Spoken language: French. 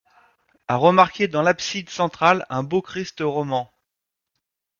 A remarquer dans l'abside centrale un beau Christ roman.